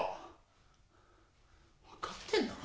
分かってんのか？